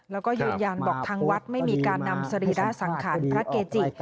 แล้วก็ยืนยันบอกทางวัดไม่มีการนำสรีระสังขารพระเกจิ